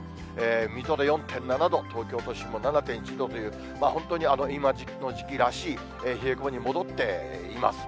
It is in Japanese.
水戸で４．７度、東京都心も７．１度という、本当に今の時期らしい冷え込みに戻っています。